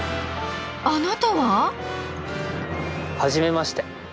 あなたは？はじめまして。